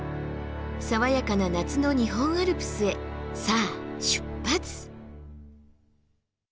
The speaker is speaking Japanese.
爽やかな夏の日本アルプスへさあ出発！